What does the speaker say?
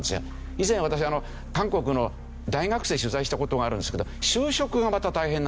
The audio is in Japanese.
以前私韓国の大学生取材した事があるんですけど就職がまた大変なので。